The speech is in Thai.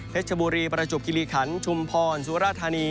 ชบุรีประจวบคิริขันชุมพรสุราธานี